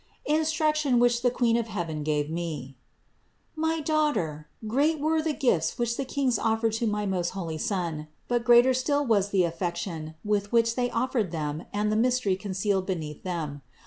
INSTRUCTION WHICH THE QUEEN OF HEAVEN GAVE ME. 571. My daughter, great were the gifts which the Kings offered to my most holy Son ; but greater still was the affection with which they offered them and the mys tery concealed beneath them.